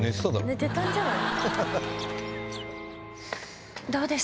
寝てたんじゃない？